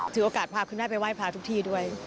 ถือโอกาสพาคุณแม่ไปไหว้พระทุกที่ด้วย